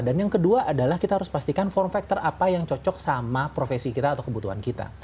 dan yang kedua adalah kita harus pastikan form factor apa yang cocok sama profesi kita atau kebutuhan kita